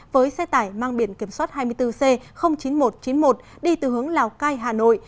với xe tải mang biển kiểm soát hai mươi bốn c chín nghìn một trăm chín mươi một đi từ hướng lào cai hà nội